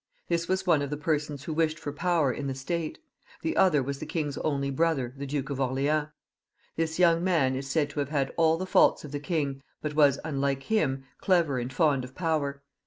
This was one of the people who wished for power in the State ; the other was the king's only brother, the Duke of Orleans; This young man is said to have had all the faults of the king, but was, unlike him, clever and fond of power.